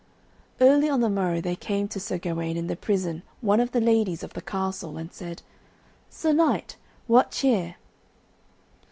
Early on the morrow there came to Sir Gawaine in the prison one of the ladies of the castle, and said, "Sir Knight, what cheer?"